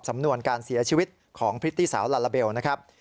สำนวนการเสียชีวิตของพริตตี้สาวลาลาเบลนะครับ